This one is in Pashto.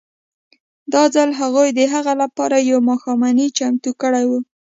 دا ځل هغوی د هغه لپاره یوه ماښامنۍ چمتو کړې وه